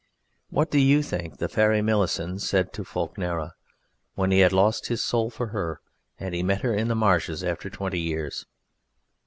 What do you think the fairy Melisende said to Fulk Nerra when he had lost his soul for her and he met her in the Marshes after twenty years?